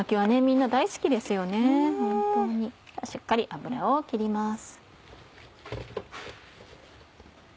しっかり油を切ります。